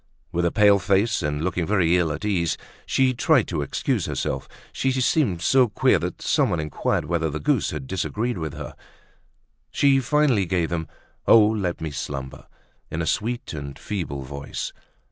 With a pale face, and looking very ill at ease, she tried to excuse herself; she seemed so queer that someone inquired whether the goose had disagreed with her. She finally gave them "Oh! let me slumber!" in a sweet and feeble voice.